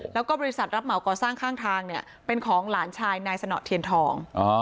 แล้วก็บริษัทรับเหมาก่อสร้างข้างทางเนี่ยเป็นของหลานชายนายสนเทียนทอง